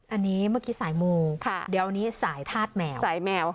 อันนี้เมื่อกี้สายมูเดี๋ยวอันนี้สายธาตุแมวสายแมว